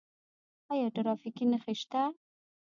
آیا ټرافیکي نښې شته؟